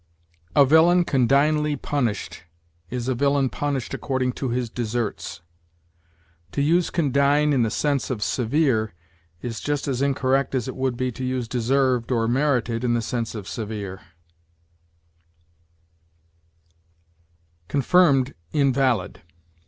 "A villain condignly punished" is a villain punished according to his deserts. To use condign in the sense of severe is just as incorrect as it would be to use deserved or merited in the sense of severe. CONFIRMED INVALID.